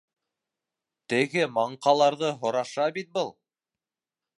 «Теге маңҡаларҙы һораша бит был!»